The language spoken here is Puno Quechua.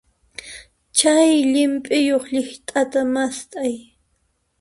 Chay llimp'iyuq llikllata mast'ay.